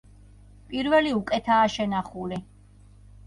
პირველი უკეთაა შენახული.